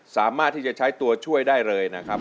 สามารถที่จะใช้ตัวช่วยได้เลยนะครับ